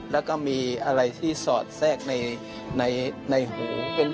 แล้วก็มีอะไรที่สอดแทรกในหู